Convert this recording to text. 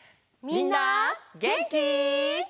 みんなげんき？